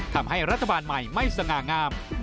ทำให้รัฐบาลใหม่ไม่สง่างาม